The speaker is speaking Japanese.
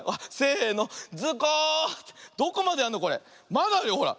まだあるよほら。